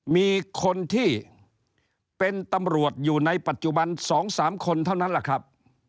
มีคนที่เป็นตำรวจอยู่ในปัจจุบัน๒๓คนเท่านั้นแหละครับ